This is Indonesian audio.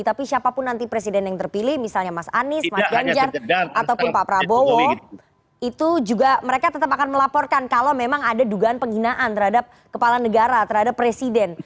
tapi siapapun nanti presiden yang terpilih misalnya mas anies mas ganjar ataupun pak prabowo itu juga mereka tetap akan melaporkan kalau memang ada dugaan penghinaan terhadap kepala negara terhadap presiden